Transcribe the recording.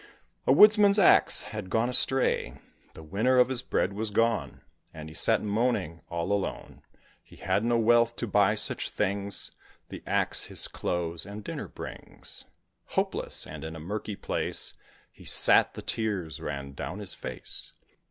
A Woodman's axe had gone astray, The winner of his bread was gone; And he sat moaning all alone. He had no wealth to buy such things: The axe his clothes and dinner brings. Hopeless, and in a murky place, He sat, the tears ran down his face.